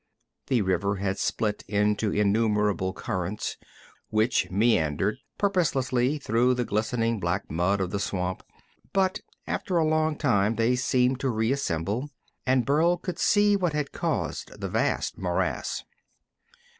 The river had split into innumerable currents which meandered purposelessly through the glistening black mud of the swamp, but after a long time they seemed to reassemble, and Burl could see what had caused the vast morass.